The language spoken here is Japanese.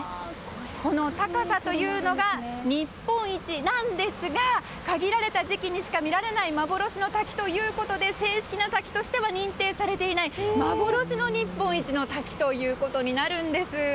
この高さというのが日本一なんですが限られた時期にしか見られない幻の滝ということで正式な滝としては認定されていない幻の日本一の滝となるんです。